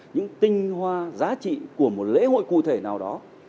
những tinh hoa giá trị của một lễ hội cụ thể nào đó